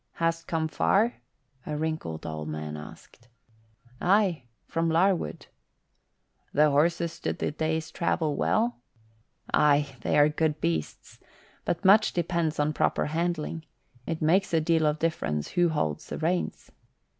"Hast come far?" a wrinkled old man asked. "Aye, from Larwood." "The horses stood the day's travel well?" "Aye, they are good beasts. But much depends on proper handling. It makes a deal of difference who holds the reins."